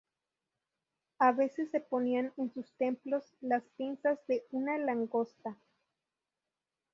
A veces se ponían en sus templos las pinzas de una langosta.